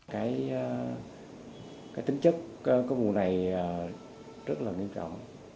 cái tính chất của vụ này rất là nghiêm trọng